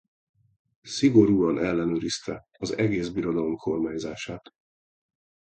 Szigorúan ellenőrizte az egész birodalom kormányzását.